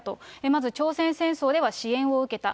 まず、朝鮮戦争では支援を受けた。